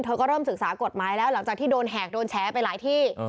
ก็เริ่มศึกษากฎหมายแล้วหลังจากที่โดนแหกโดนแชร์ไปหลายที่